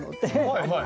はいはい。